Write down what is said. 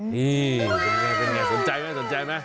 นี่เป็นไงสนใจไหม